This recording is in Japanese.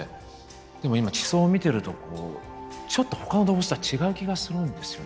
でも今地層を見てるとこうちょっとほかの動物とは違う気がするんですよね。